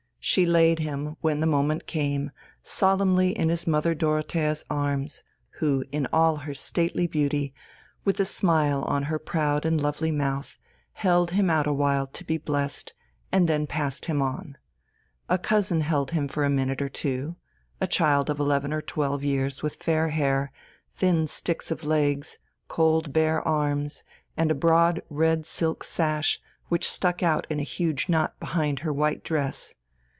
She laid him, when the moment came, solemnly in his mother Dorothea's arms, who, in all her stately beauty, with a smile on her proud and lovely mouth, held him out a while to be blessed, and then passed him on. A cousin held him for a minute or two, a child of eleven or twelve years with fair hair, thin sticks of legs, cold bare arms, and a broad red silk sash which stuck out in a huge knot behind her white dress.